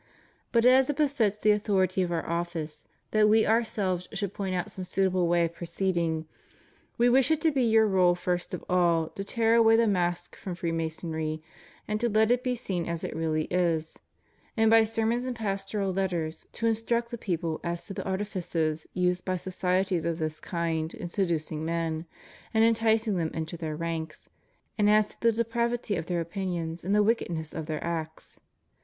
But as it befits the authority of Our ofiice that We Ourselves should point out some suitable way of proceeding, We wish it to be your rule first of all to tear away the mask from Freemasonry, and to let it be seen as it really is ; and by ser mons and Pastoral Letters to instruct the people as to the artifices used by societies of this kind in seducing men and enticing them into their ranks, and as to the deprav ity of their opinions and the wickedness of their acts.